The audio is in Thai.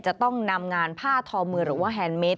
จะต้องนำงานผ้าทอมือหรือว่าแฮนดเมส